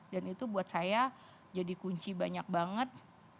dan itu buat saya jadi kunci banyak banget